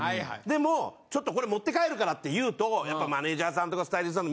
でもちょっとこれ持って帰るからって言うとマネジャーさんとかスタイリストさん